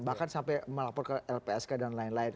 bahkan sampai melapor ke lpsk dan lain lain